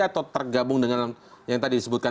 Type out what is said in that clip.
atau tergabung dengan yang tadi disebutkan